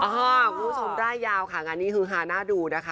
คุณผู้ชมร่ายยาวค่ะงานนี้ฮือฮาน่าดูนะคะ